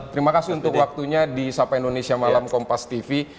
terima kasih untuk waktunya di sapa indonesia malam kompas tv